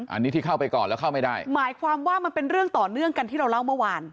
อันนี้ที่เข้าไปก่อนแล้วเข้าไม่ได้หมายความว่ามันเป็นเรื่องต่อเนื่องกันที่เราเล่าเมื่อวาน